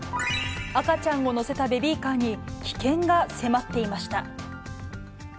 赤ちゃんを乗せたベビーカーに、危険が迫っていました。